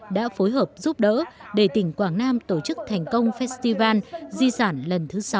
đã phối hợp giúp đỡ để tỉnh quảng nam tổ chức thành công festival di sản lần thứ sáu năm hai nghìn một mươi bảy